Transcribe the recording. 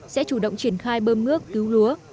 sẽ chủ động triển khai bơm nước cứu lúa